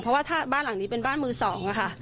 เพราะว่าถ้าบ้านหลังนี้เป็นบ้านมือสองค่ะ